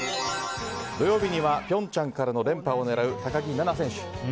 土曜日には平昌からの連覇を狙う高木菜那選手。